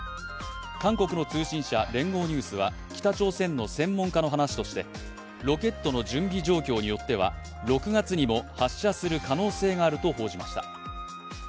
韓国の通信社、聯合ニュースは北朝鮮の専門家の話としてロケットの準備状況によっては６月にも発射する可能性があると報じました。